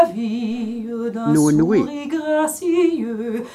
Nwent wi?